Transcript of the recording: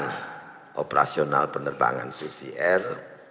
dengan operasional penerbangan susi air